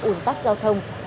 ủn tắc giao thông